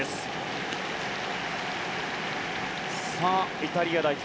イタリア代表